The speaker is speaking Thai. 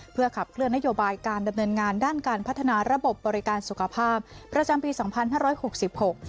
เพื่อขับเคลื่อนนโยบายการดำเนินงานด้านการพัฒนาระบบบริการสุขภาพประจำปีสองพันห้าร้อยหกสิบหก